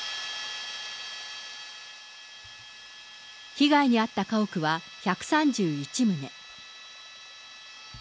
被害に遭った家屋は１３１棟。